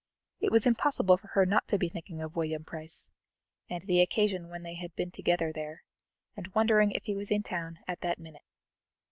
It was impossible for her not to be thinking of William Price, and the occasion when they had been together there, and wondering if he was in town at that minute.